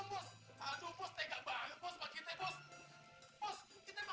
bos jangan di pecat dong bos